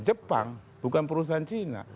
jepang bukan perusahaan china